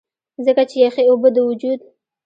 ځکه چې يخې اوبۀ د وجود